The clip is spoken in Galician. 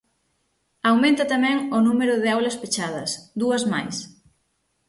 Aumenta tamén o número de aulas pechadas, dúas máis.